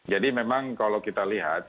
jadi memang kalau kita lihat